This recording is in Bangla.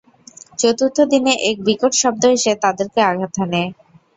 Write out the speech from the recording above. চতুর্থ দিনে এক বিকট শব্দ এসে তাদেরকে আঘাত হানে।